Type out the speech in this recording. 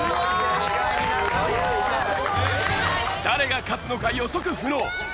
誰が勝つのか予測不能！